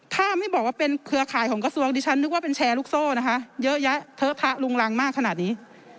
ถ้าไม่บอกว่าเป็นเครือข่ายของกระทรวงดิฉันนึกว่าเป็นแชร์ลูกโซ่นะคะเยอะแยะเทอะพระลุงรังมากขนาดนี้